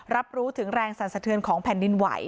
รับรู้ถึงแรงสั่นสะเทือนของแผ่นดินไหว